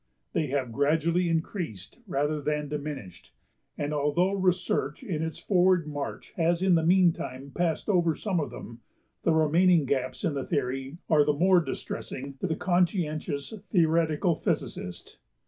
They have gradually increased rather than diminished; and although research in its forward march has in the meantime passed over some of them, the remaining gaps in the theory are the more distressing to the conscientious theoretical physicist.